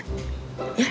ntar dulu liatnya ya